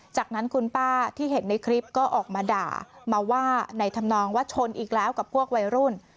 จากนั้นคุณป้าที่เห็นในคลิปก็ออกมาด่ามาว่าในธรรมนองว่าชนอีกแล้วกับพวกวัยรุ่น